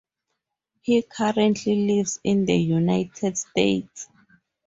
He currently lives in the United States.